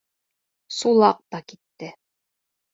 Сулаҡ та китте.